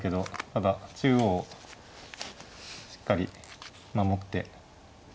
ただ中央をしっかり守って。